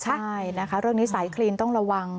ใช่นะคะเรื่องนี้สายคลีนต้องระวัง